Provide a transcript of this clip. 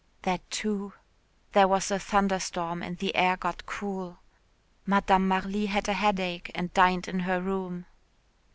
"That, too." There was a thunderstorm and the air got cool. Madame Marly had a headache and dined in her room.